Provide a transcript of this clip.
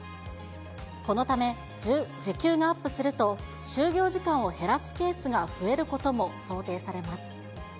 このため、時給がアップすると、就業時間を減らすケースが増えることも想定されます。